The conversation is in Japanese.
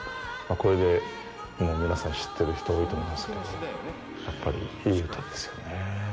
これでも皆さん知ってる人多いと思いますけどやっぱりいい歌ですよね。